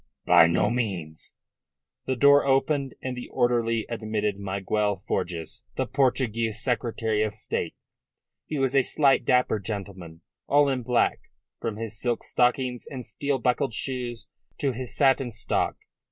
"By no means." The door opened, and the orderly admitted Miguel Forjas, the Portuguese Secretary of State. He was a slight, dapper gentleman, all in black, from his silk stockings and steel buckled shoes to his satin stock.